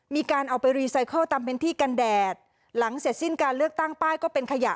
มีการเอาไปรีไซเคิลตามเป็นที่กันแดดหลังเสร็จสิ้นการเลือกตั้งป้ายก็เป็นขยะ